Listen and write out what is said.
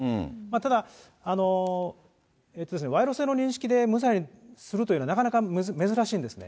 ただ、賄賂性の認識で無罪にするというのは、なかなか珍しいんですね。